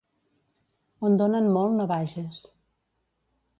On donen molt, no vages.